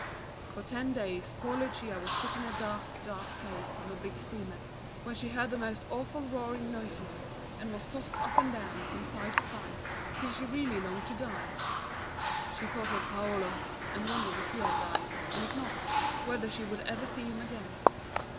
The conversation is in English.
For ten days poor Lucia was put in a dark, dark place on the big steamer, where she heard the most awful roaring noises, and was tossed up and down, from side to side, till she really longed to die. She thought of Paolo and wondered if he had died, and if not, whether she would ever see him again.